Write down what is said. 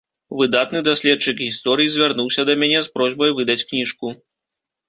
Выдатны даследчык гісторыі звярнуўся да мяне з просьбай выдаць кніжку.